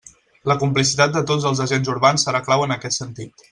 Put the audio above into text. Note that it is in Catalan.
La complicitat de tots els agents urbans serà clau en aquest sentit.